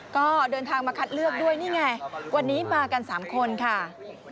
ก็เดินทางมาคัดเลือกด้วยนี่ไงวันนี้มากัน๓คนค่ะ